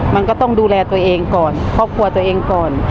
มันก็ต้องดูแลตัวเองก่อนครอบครัวตัวเองก่อน